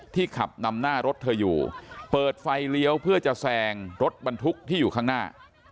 ขับนำหน้ารถเธออยู่เปิดไฟเลี้ยวเพื่อจะแซงรถบรรทุกที่อยู่ข้างหน้า